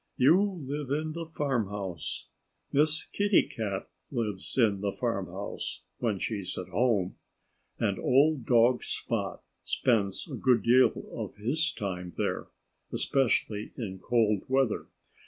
You live in the farmhouse. Miss Kitty Cat lives in the farmhouse when she's at home. And old dog Spot spends a good deal of his time there especially in cold weather.